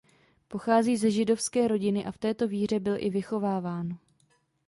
Pochází ze židovské rodiny a v této víře byl i vychováván.